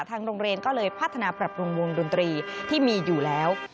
ทางโรงเรียนก็เลยพัฒนาปรับปรุงวงดนตรีที่มีอยู่แล้ว